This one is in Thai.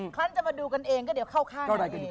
ครั้งจะมาดูกันเองก็เดี๋ยวเข้าข้างกันเอง